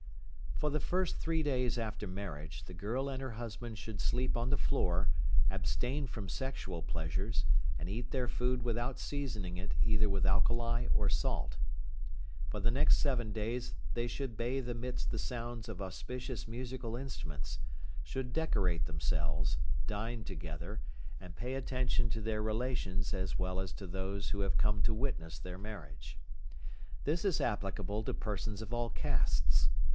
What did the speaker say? For the first three days after marriage, the girl and her husband should sleep on the floor, abstain from sexual pleasures, and eat their food without seasoning it either with alkali or salt. For the next seven days they should bathe amidst the sounds of auspicious musical instruments, should decorate themselves, dine together, and pay attention to their relations as well as to those who may have come to witness their marriage. This is applicable to persons of all castes.